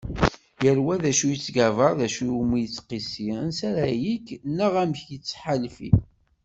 Yal wa d acu yettgabar, d acu iwumi yettqissi, ansa ara yekk neɣ amek yettḥalfi.